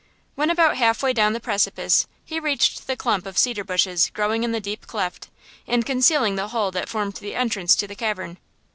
When about half way down the precipice he reached the clump of cedar bushes growing in the deep cleft, and concealing the hole that formed the entrance to the cavern.